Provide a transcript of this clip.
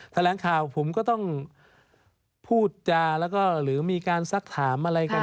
แถลงข่าวผมก็ต้องพูดจาแล้วก็หรือมีการซักถามอะไรกัน